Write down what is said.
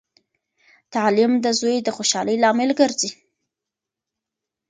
تعلیم د زوی د خوشحالۍ لامل ګرځي.